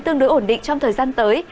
tương đối ổn định trong thời gian tới